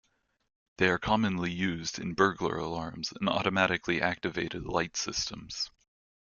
They are commonly used in burglar alarms and automatically-activated lighting systems.